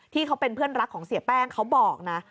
ที่เป็นเพื่อนรักของเสียแป้งเขาบอกนะ